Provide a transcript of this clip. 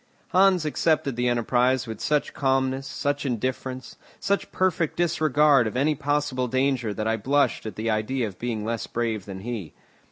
Hans accepted the enterprise with such calmness, such indifference, such perfect disregard of any possible danger that I blushed at the idea of being less brave than he.